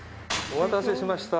お待たせしました。